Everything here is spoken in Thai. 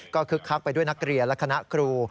ก็คึกคักไปด้วยนักเรียนและคณะครู